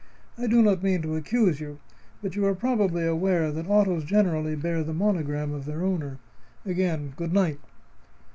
I do not mean to accuse you, but you are probably aware that autos generally bear the monogram of their owner. Again, good night."